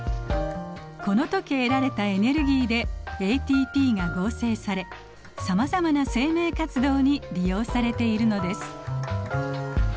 この時得られたエネルギーでＡＴＰが合成されさまざまな生命活動に利用されているのです。